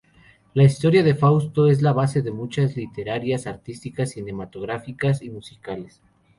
La historia de Fausto es la base de muchas literarias, artísticas, cinematográficas y musicales.